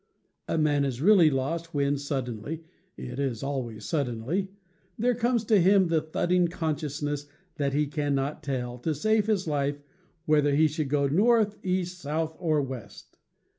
A man is really lost when, suddenly (it is always suddenly), there comes to him the thudding conscious ness that he cannot tell, to save his life, whether he should go north, east, south, or west.